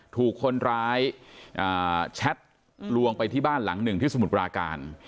ถูกคนร้ายแชทลวงไปที่บ้านหลังหนึ่งที่สมุทรปราการ